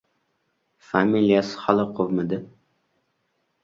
— Familiyasi Xoliqovmidi?